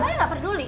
saya gak peduli